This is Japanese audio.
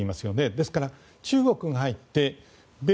ですから、中国が入って米